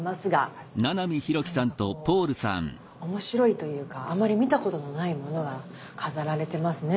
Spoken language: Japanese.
何だかこう面白いというかあまり見たことのないものが飾られてますね。